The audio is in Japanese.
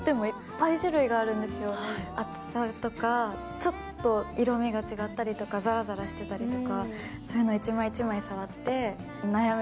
ちょっと色味が違っていたりとかざらざらしていたりとかそういうのを１枚１枚触って。